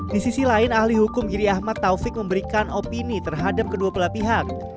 di sisi lain ahli hukum giri ahmad taufik memberikan opini terhadap kedua belah pihak